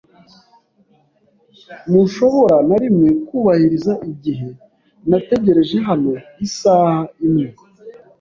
Ntushobora na rimwe kubahiriza igihe? Nategereje hano isaha imwe.